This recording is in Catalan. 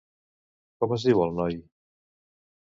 Com es diu, el noi?